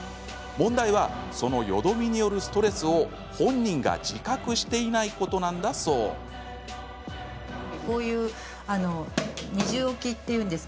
問題は、そのよどみによるストレスを本人が自覚していないことなんです。